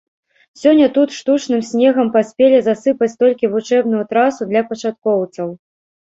Сёння тут штучным снегам паспелі засыпаць толькі вучэбную трасу для пачаткоўцаў.